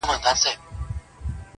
د ورځو په رڼا کي خو نصیب نه وو منلي-